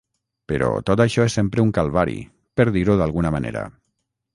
Però tot això és sempre un calvari, per dir-ho d’alguna manera.